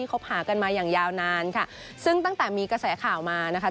คบหากันมาอย่างยาวนานค่ะซึ่งตั้งแต่มีกระแสข่าวมานะคะ